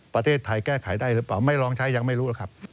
ประเทศไทยแก้ไขได้หรือเปล่าไม่ลองใช้ยังไม่รู้หรอกครับ